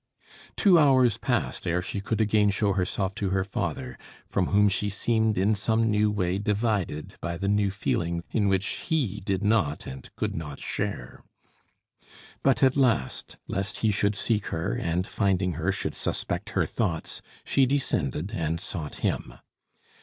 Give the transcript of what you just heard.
Two hours passed ere she could again show herself to her father, from whom she seemed in some new way divided by the new feeling in which he did not, and could not share. But at last, lest he should seek her, and finding her, should suspect her thoughts, she descended and sought him.